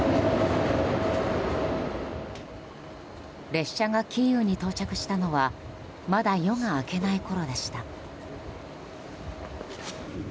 列車がキーウに到着したのはまだ夜が明けないころでした。